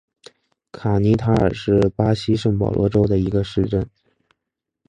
卡尼塔尔是巴西圣保罗州的一个市镇。